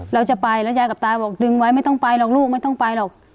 เราจะไปแล้วยายกับตาบอกดึงไว้ไม่ต้องไปหรอกลูกไม่ต้องไปหรอก